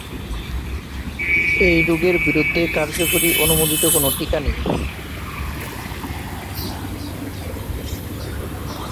এই রোগের বিরুদ্ধে কার্যকরী অনুমোদিত কোনো টিকা নেই।